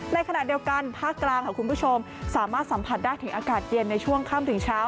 ในขณะเดียวกันภาคกลางค่ะคุณผู้ชมสามารถสัมผัสได้ถึงอากาศเย็นในช่วงค่ำถึงเช้า